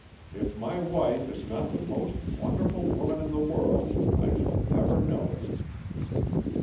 If my wife is not the most wonderful woman in the world, I shall never know it."